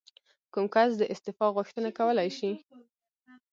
کوم کس د استعفا غوښتنه کولی شي؟